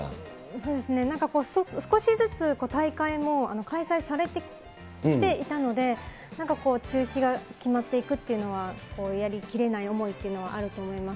そうですね、少しずつ、大会も開催されてきていたので、中止が決まっていくというのはやりきれない思いというのはあると思います。